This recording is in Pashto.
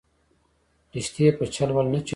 رشتې په چل ول نه چلېږي